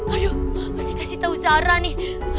aduh masih kasih tahu zara nih